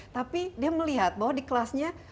tapi dia melihat bahwa di kelasnya